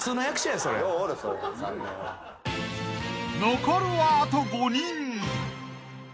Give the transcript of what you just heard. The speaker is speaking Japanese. ［残るはあと５人］